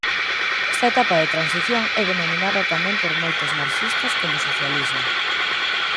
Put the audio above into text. Esta etapa de transición é denominada tamén por moitos marxistas como socialismo.